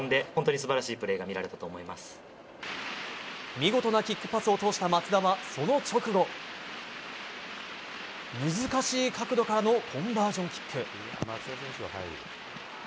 見事なキックパスを通した松田は、その直後難しい角度からのコンバージョンキック。